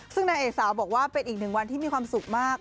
ซึ่งนางเอกสาวบอกว่าเป็นอีกหนึ่งวันที่มีความสุขมาก